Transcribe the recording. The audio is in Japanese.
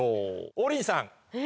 王林さん